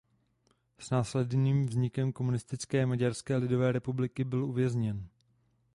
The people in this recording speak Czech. S následným vznikem komunistické Maďarské lidové republiky byl uvězněn.